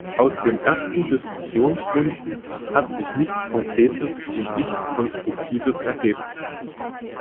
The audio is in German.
Aus den ersten Diskussionsrunden hat sich nichts Konkretes und nichts Konstruktives ergeben.